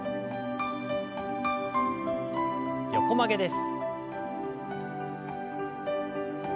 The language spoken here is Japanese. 横曲げです。